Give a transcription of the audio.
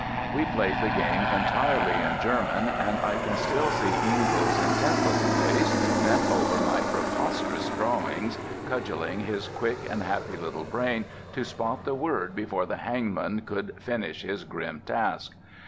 We played the game entirely in German, and I can still see Ingo's intent little face bent over my preposterous drawings, cudgelling his quick and happy little brain to spot the word before the hangman could finish his grim task.